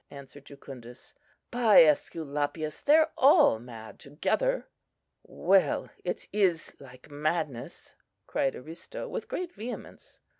answered Jucundus. "By Esculapius! they're all mad together!" "Well, it is like madness!" cried Aristo, with great vehemence.